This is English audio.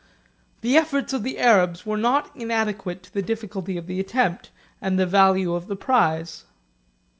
The efforts of the Arabs were not inadequate to the difficulty of the attempt and the value of the prize.